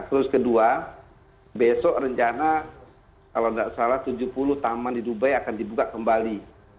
terus kedua besok rencana kalau tidak salah tujuh puluh taman di dubai akan dibuka kembali